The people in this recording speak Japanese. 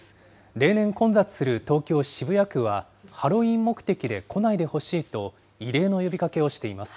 例年、混雑する東京・渋谷区は、ハロウィーン目的で来ないでほしいと異例の呼びかけをしています。